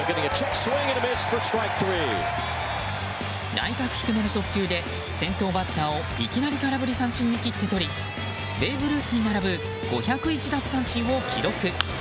内角低めの速球で先頭バッターをいきなり空振り三振に切ってとりベーブ・ルースに並ぶ５０１奪三振を記録。